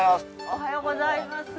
おはようございます。